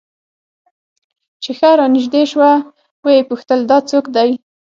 چې ښه رانژدې سوه ويې پوښتل دا څوک دى.